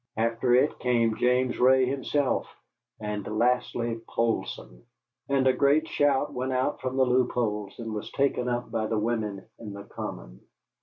After it came James Ray himself, and lastly Poulsson, and a great shout went out from the loopholes and was taken up by the women in the common.